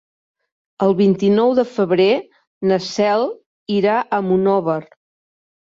El vint-i-nou de febrer na Cel irà a Monòver.